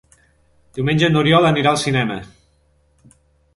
Diumenge n'Oriol anirà al cinema.